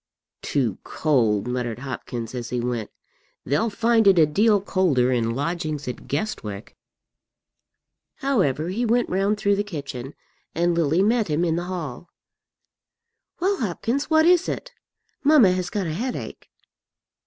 "Too cold!" muttered Hopkins, as he went. "They'll find it a deal colder in lodgings at Guestwick." However, he went round through the kitchen, and Lily met him in the hall. "Well, Hopkins, what is it? Mamma has got a headache."